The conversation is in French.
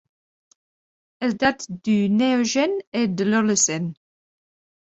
Elles datent du Néogène et de l'Holocène.